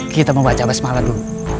kita membaca basmala dulu